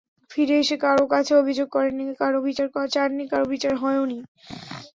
ফিরে এসে কারও কাছে অভিযোগ করেননি, কারও বিচার চাননি, কারও বিচার হয়ওনি।